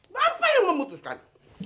bapak yang memutuskan